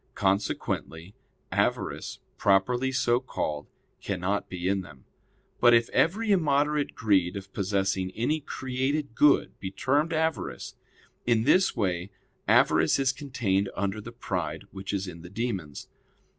Consequently avarice properly so called cannot be in them. But if every immoderate greed of possessing any created good be termed avarice, in this way avarice is contained under the pride which is in the demons.